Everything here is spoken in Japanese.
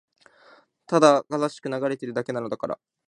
ただ空しく流れているだけなのだから